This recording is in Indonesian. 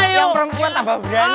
yang perempuan tambah berani